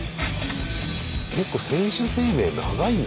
結構選手生命長いんだなあ。